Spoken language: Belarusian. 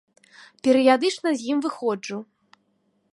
Перыядычна з ім выходжу.